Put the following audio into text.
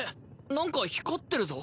なんか光ってるぞ。